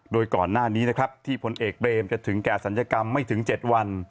โดยก่อนหน้านี้นะครับที่พลเอกเบรมจะถึงแก่ศัลยกรรมไม่ถึง๗วัน